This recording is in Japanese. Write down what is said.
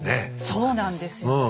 そうなんですよね。